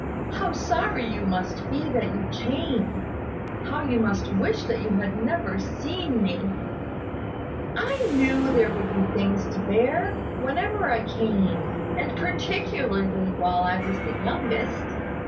"How sorry you must be that you came! How you must wish that you had never seen me!" "I knew that there would be things to bear, whenever I came; and particularly while I was the youngest.